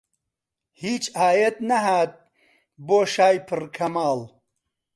هیچ ئایەت نەهات بۆ شای پڕ کەماڵ